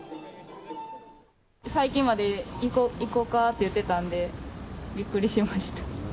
最近まで行こうかって言ってたんで、びっくりしました。